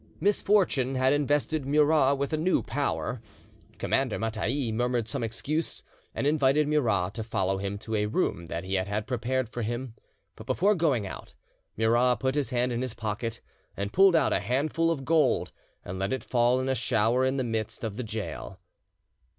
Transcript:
Misfortune had invested Murat with a new power. Commander Mattei murmured some excuse, and invited Murat to follow him to a room that he had had prepared for him; but before going out, Murat put his hand in his pocket and pulled out a handful of gold and let it fall in a shower in the midst of the gaol.